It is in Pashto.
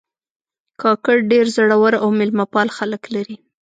کاکړ ډېر زړور او میلمهپال خلک لري.